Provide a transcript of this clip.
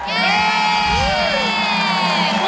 เย่